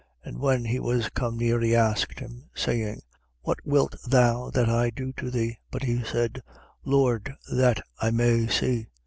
And when he was come near, he asked him, 18:41. Saying; What wilt thou that I do to thee? But he said: Lord, that I may see.